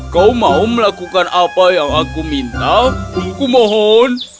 kau mau melakukan apa yang aku minta kumohon